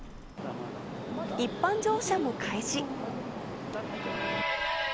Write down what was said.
一般乗車も開始。